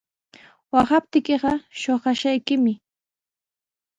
Waqaptiykiqa shuqashqaykimi.